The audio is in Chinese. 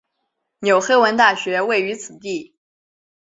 纽黑文大学位于此地。